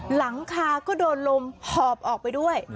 หลังคาก็โดนลมหอบออกไปด้วย